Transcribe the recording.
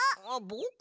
ぼく！